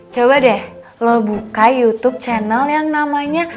coba deh lo buka youtube channel yang namanya